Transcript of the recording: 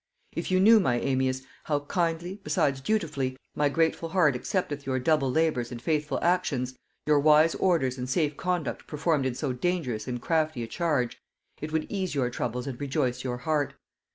If you knew, my Amias, how kindly, besides dutifully, my grateful heart accepteth your double labors and faithful actions, your wise orders and safe conduct performed in so dangerous and crafty a charge, it would ease your troubles and rejoice your heart.